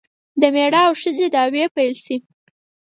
د میړه او ښځې دعوې پیل شي.